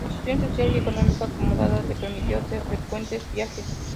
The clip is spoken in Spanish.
Su posición social y económica acomodada le permitió hacer frecuentes viajes.